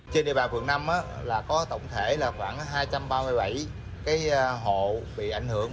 trên địa bàn phường năm có tổng thể khoảng hai trăm ba mươi bảy hộ bị ảnh hưởng